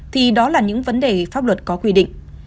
thì đó là những vấn đề pháp luật có quy định